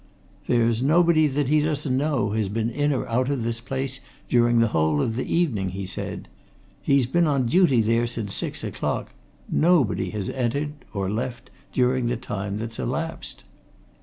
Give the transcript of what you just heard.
"There's nobody that he doesn't know has been in or out of this place during the whole of the evening," he said. "He's been on duty there since six o'clock. Nobody has entered or left during the time that's elapsed."